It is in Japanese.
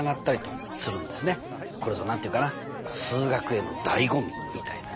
これぞ何て言うかな「数学Ａ」の醍醐味みたいなね。